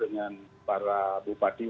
dan apa yang melatih dengan keren zaluran